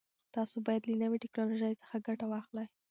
تاسو باید له نوي ټکنالوژۍ څخه ګټه واخلئ.